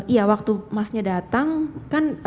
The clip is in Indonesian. iya waktu masnya datang kan